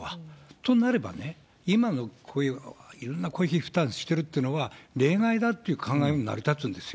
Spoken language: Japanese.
となればね、今のこういういろんな公費負担してるっていうのは、例外だっていう考えも成り立つんですよ。